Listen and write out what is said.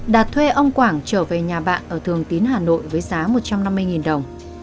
đạt thuê ông quảng trở về nhà bạn ở thường tín hà nội với giá một trăm năm mươi đồng